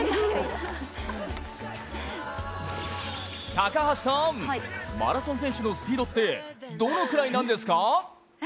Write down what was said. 高橋さーん、マラソン選手のスピードってどれくらいなんですか！？